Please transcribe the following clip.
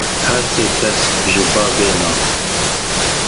Her sê kes ji Babê ne.